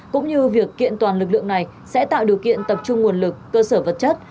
cũng như việc kiện toàn lực lượng này sẽ tạo điều kiện tập trung nguồn lực cơ sở vật chất